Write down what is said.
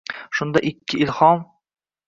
Shundan ikki ilhom